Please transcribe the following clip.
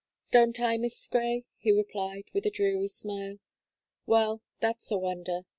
"Don't I, Miss Gray," he replied, with a dreary smile, "well, that's a wonder!